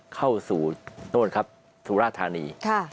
เข้าสู่โน้นครับสุราธานี